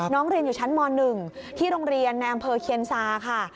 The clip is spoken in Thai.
เรียนอยู่ชั้นม๑ที่โรงเรียนในอำเภอเคียนซาค่ะ